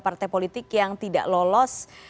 partai politik yang tidak lolos